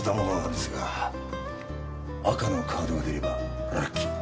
赤のカードが出ればラッキー。